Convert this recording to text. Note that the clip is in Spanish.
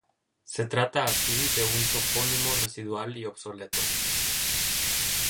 Se trata así de un topónimo residual y obsoleto.